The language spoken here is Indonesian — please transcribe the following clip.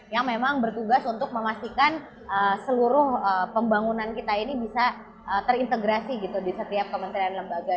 yang memang bertugas untuk memastikan seluruh pembangunan kita ini bisa terintegrasi gitu di setiap kementerian lembaga